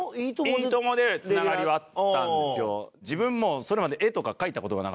『いいとも！』で繋がりはあったんですよ。